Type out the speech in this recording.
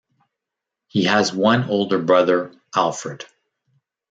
He has one older brother Alfred.